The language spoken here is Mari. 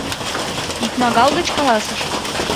Икмагал гыч каласыш.